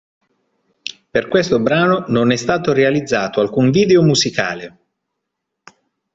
Per questo brano non è stato realizzato alcun video musicale.